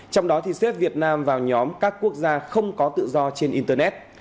trong đó thì xếp việt nam vào nhóm các quốc gia không có tự do trên internet